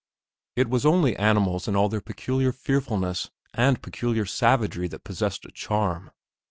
It was only animals in all their peculiar fearfulness and peculiar savagery that possessed a charm.